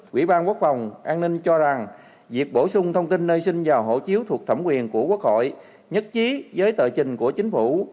quỹ ban quốc phòng an ninh cho rằng việc bổ sung thông tin nơi sinh vào hộ chiếu thuộc thẩm quyền của quốc hội nhất trí với tờ trình của chính phủ